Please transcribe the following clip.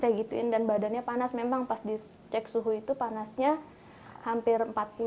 saya gituin dan badannya panas memang pas dicek suhu itu panasnya hampir empat puluh